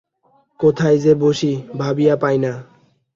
কোথায় যে বসি ভাবিয়া পাইলাম না।